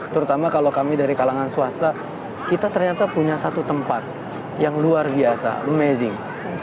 terutama kalau kami dari kalangan swasta kita ternyata punya satu tempat yang luar biasa amazing